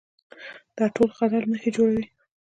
دا ټول خلل نښه جوړوي